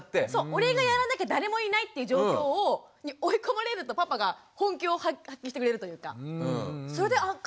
俺がやらなきゃ誰もいないっていう状況に追い込まれるとパパが本気を発揮してくれるというかそれで変わってきたなって思いましたね。